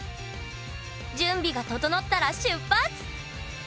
準備が整ったら出発！